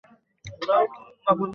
তাকে তোমার খেয়াল রাখতে হয়।